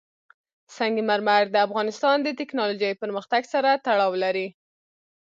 سنگ مرمر د افغانستان د تکنالوژۍ پرمختګ سره تړاو لري.